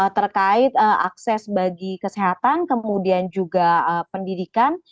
terkait akses bagi kesehatan kemudian juga pendidikan